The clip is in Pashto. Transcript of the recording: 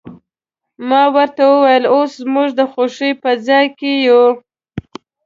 ما ورته وویل، اوس زموږ د خوښۍ په ځای کې یو.